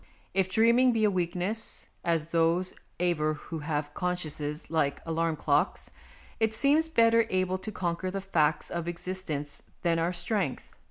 If dreaming be a weakness, as those aver who have consciences like alarm clocks, it seems better able to conquer the facts of existence than our strength.